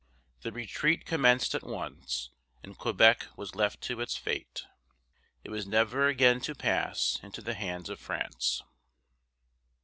The retreat commenced at once, and Quebec was left to its fate. It was never again to pass into the hands of France.